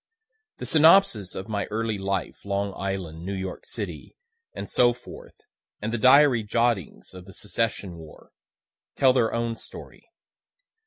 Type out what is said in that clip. The synopsis of my early life, Long Island, New York city, and so forth, and the diary jottings in the Secession war, tell their own story.